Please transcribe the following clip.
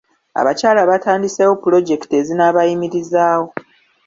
Abakyala batandisewo pulojekiti ezinaabayimirizawo.